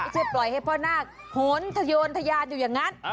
ปล่อยให้พ่อนาคโหนทโยนทยานอยู่อย่างนั้น